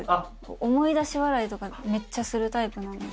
思い出し笑いとかめっちゃするタイプなんで。